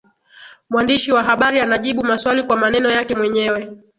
mwandishi wa habari anajibu maswali kwa maneno yake mwenyewe